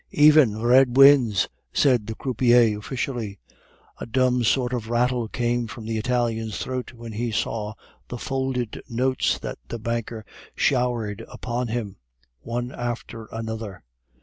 "Even! red wins," said the croupier officially. A dumb sort of rattle came from the Italian's throat when he saw the folded notes that the banker showered upon him, one after another.